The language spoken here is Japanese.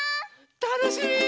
たのしみ！